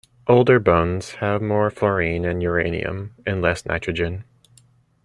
Older bones have more fluorine and uranium and less nitrogen.